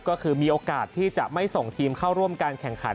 ก็คือมีโอกาสที่จะไม่ส่งทีมเข้าร่วมการแข่งขัน